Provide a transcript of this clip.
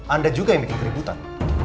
anda juga yang bikin keributan